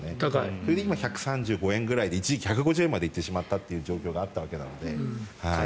それで今１３５円ぐらいで一時期１５０円まで行ってしまったという状況があるので。